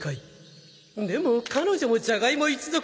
でも彼女もジャガイモ一族の親戚